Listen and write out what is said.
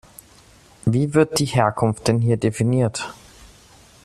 Wie wird die Herkunft denn hier definiert?